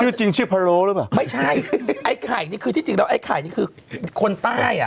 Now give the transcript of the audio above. ชื่อจริงชื่อพะโล้หรือเปล่าไม่ใช่ไอ้ไข่นี่คือที่จริงแล้วไอ้ไข่นี่คือคนใต้อ่ะ